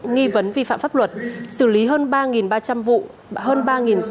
nghi vấn vi phạm pháp luật xử lý hơn